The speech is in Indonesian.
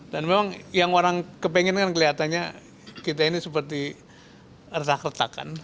dan memang yang orang kepingin kan kelihatannya kita ini seperti retak retakan